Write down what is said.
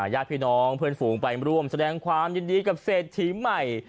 ญาติพี่น้องเพื่อนฝูงไปร่วมแสดงความยินดีกับเศรษฐีใหม่